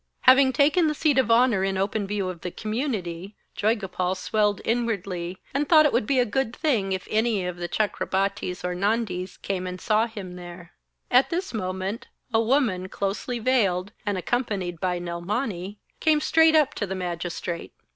Having taken the seat of honour in open view of the community, Joygopal swelled inwardly, and thought it would be a good thing if any of the Chakrabartis or Nandis came and saw him there. A chapkan is a long coat. Turban. Servants. At this moment, a woman, closely veiled, and accompanied by Nilmani, came straight up to the Magistrate.